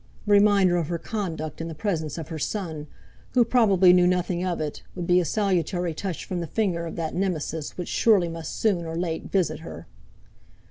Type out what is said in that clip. A reminder of her conduct in the presence of her son, who probably knew nothing of it, would be a salutary touch from the finger of that Nemesis which surely must soon or late visit her!